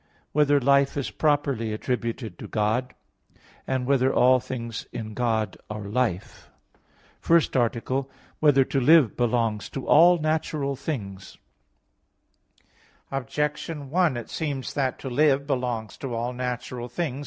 (3) Whether life is properly attributed to God? (4) Whether all things in God are life? _______________________ FIRST ARTICLE [I, Q. 18, Art. 1] Whether to Live Belongs to All Natural Things? Objection 1: It seems that to live belongs to all natural things.